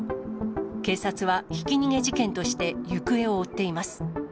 警察はひき逃げ事件として行方を追っています。